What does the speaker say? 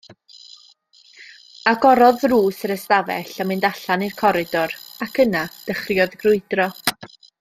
Agorodd ddrws yr ystafell a mynd allan i'r coridor, ac yna dechreuodd grwydro.